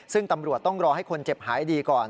ซึ่งตำรวจต้องรอให้คนเจ็บหายดีก่อน